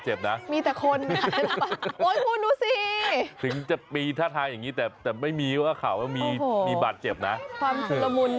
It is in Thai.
ยังไงก็ไม่รู้รุน